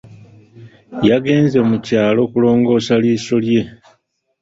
Yagenze mu kyalo kulongoosa liiso lye.